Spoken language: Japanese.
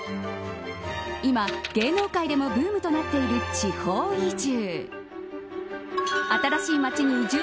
今、芸能界でもブームとなっている地方移住。